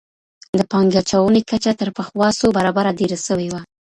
د پانګې اچونې کچه تر پخوا څو برابره ډېره سوي وه.